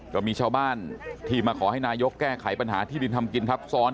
ก็มีชาวบ้านที่มาขอให้นายกแก้ไขปัญหาที่ดินทำกินทับซ้อน